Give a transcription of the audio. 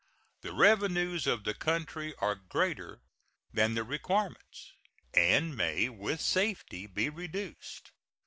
The revenues of the country are greater than the requirements, and may with safety be reduced.